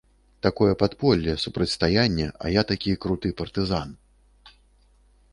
Такое падполле, супрацьстаянне, а я такі круты партызан.